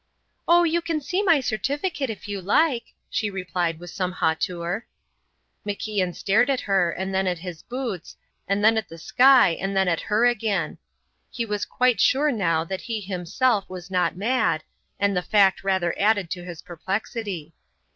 "Oh, you can see my certificate if you like," she replied with some hauteur. MacIan stared at her and then at his boots, and then at the sky and then at her again. He was quite sure now that he himself was not mad, and the fact rather added to his perplexity.